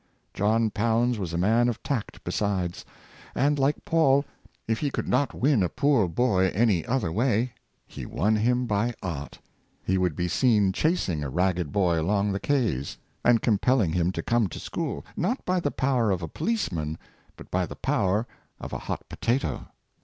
John Pounds was a man of tact besides; and, like Paul, if he could not win a poor boy any other way, he won him by art. He would be seen chasing a ragged boy along the quays, and compeling him to come to school, not by Good Models of Character, 593 the power of a policeman, but by the power of a hot potato.